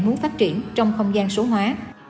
muốn phát triển trong không gian số hóa